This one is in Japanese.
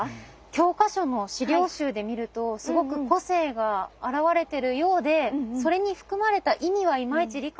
教科書の資料集で見るとすごく個性が表れてるようでそれに含まれた意味はいまいち理解してない気がします。